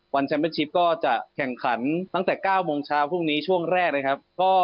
แชมเป็นชิปก็จะแข่งขันตั้งแต่๙โมงเช้าพรุ่งนี้ช่วงแรกนะครับ